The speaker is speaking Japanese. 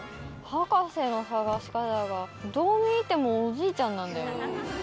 博士の探し方がどう見てもおじいちゃんなんだよ。